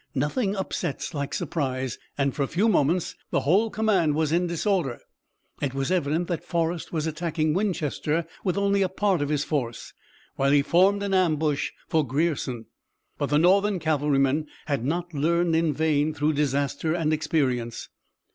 Nothing upsets like surprise, and for a few moments the whole command was in disorder. It was evident that Forrest was attacking Winchester with only a part of his force, while he formed an ambush for Grierson. But the Northern cavalrymen had not learned in vain through disaster and experience.